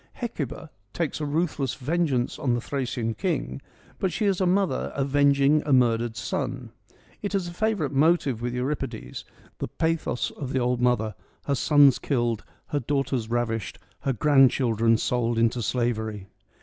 Hecuba takes a ruthless vengeance on the Thracian king, but she is a mother avenging a murdered son. It is a favourite motive with Euripides ; the pathos of the old mother, her sons killed, her daughters ravished, her grandchildren sold into slavery.